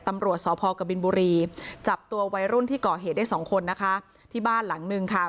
ตำรวจสพกบินบุรีจับตัววัยรุ่นที่ก่อเหตุได้สองคนนะคะที่บ้านหลังนึงค่ะ